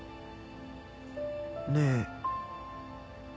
ねえ。